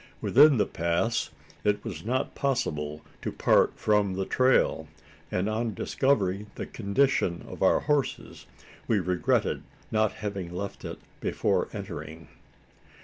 Within the pass, it was not possible to part from the trail; and on discovering the condition of our horses, we regretted not having left it before entering.